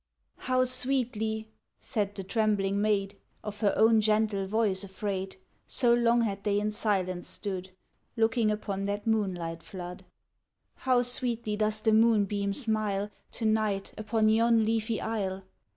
"How sweetly," said the trembling maid, Of her own gentle voice afraid, So long had they in silence stood, Looking upon that moonlight flood, "How sweetly does the moonbeam smile To night upon yon leafy isle!